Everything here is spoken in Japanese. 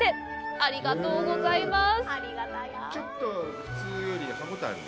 ありがとうございます！